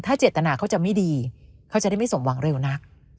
เจตนาเขาจะไม่ดีเขาจะได้ไม่สมหวังเร็วนัก